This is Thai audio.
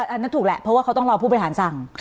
อันนั้นถูกแหละเพราะว่าเขาต้องรอผู้บริหารสั่ง